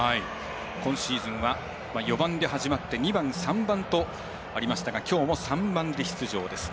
今シーズンは４番で始まって２番、３番とありましたがきょうも３番で出場です。